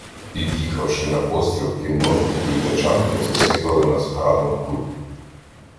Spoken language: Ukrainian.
Під'їхавши на постріл, кіннотники і тачанки засипали нас градом куль.